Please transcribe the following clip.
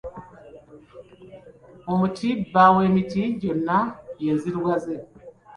Omuti bba w’emiti gyonna y'enzirugaze.